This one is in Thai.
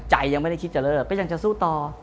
ยังไม่ได้คิดจะเลิกก็ยังจะสู้ต่อ